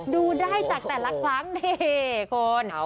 ดูได้จากแต่ละครั้งนี่คุณ